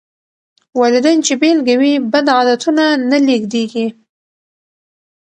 والدين چې بېلګه وي، بد عادتونه نه لېږدېږي.